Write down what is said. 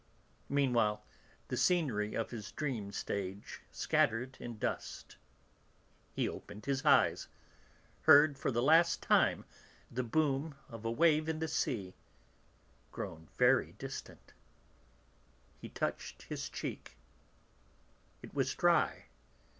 Meanwhile the scenery of his dream stage scattered in dust, he opened his eyes, heard for the last time the boom of a wave in the sea, grown very distant. He touched his cheek. It was dry.